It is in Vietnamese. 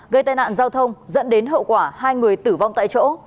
gây tai nạn giao thông dẫn đến hậu quả hai người tử vong tại chỗ